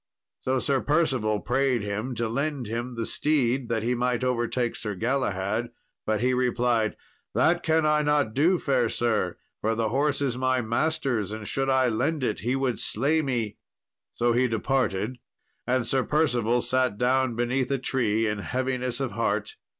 So Sir Percival prayed him to lend him the steed, that he might overtake Sir Galahad. But he replied, "That can I not do, fair sir, for the horse is my master's, and should I lend it he would slay me." So he departed, and Sir Percival sat down beneath a tree in heaviness of heart.